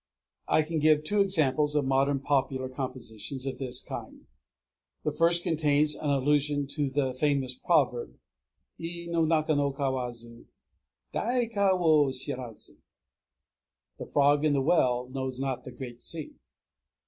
I can give two examples of modern popular compositions of this kind. The first contains an allusion to the famous proverb, I no naka no kawazu daikai wo shirazu: "The frog in the well knows not the great sea."